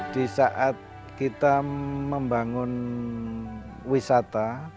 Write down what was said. di saat kita membangun wisata